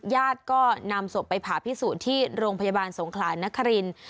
ญาติก็นำศพไปผ่าพิสูจน์ที่โรงพยาบาลสงขลานนครินทร์